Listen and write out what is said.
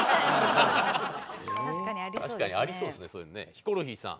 ヒコロヒーさん。